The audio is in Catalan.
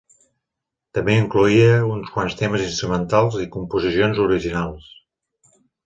També incloïa uns quants temes instrumentals i composicions originals.